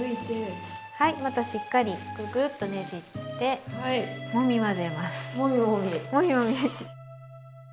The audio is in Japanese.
はいまたしっかりグルグルッとねじってもみ混ぜます。